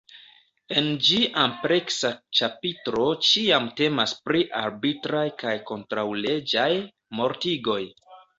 En ĝi ampleksa ĉapitro ĉiam temas pri “arbitraj kaj kontraŭleĝaj mortigoj.